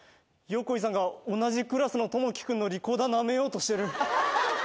横井さんが同じクラスのトモキ君のリコーダーなめようとしてる。